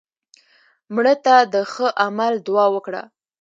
مړه ته د ښه عمل دعا وکړه